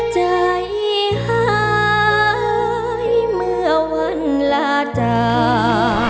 ใจหายเมื่อวันลาจา